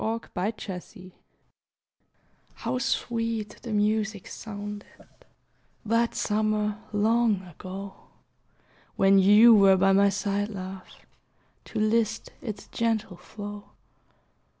AN OLD MEMORY How sweet the music sounded That summer long ago, When you were by my side, love, To list its gentle flow.